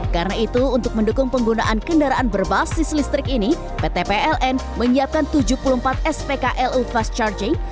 karena itu untuk mendukung penggunaan kendaraan berbasis listrik ini pt pln menyiapkan tujuh puluh empat spkl fast charging